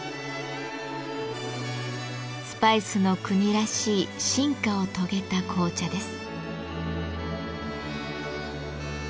スパイスの国らしい進化を遂げた紅茶です。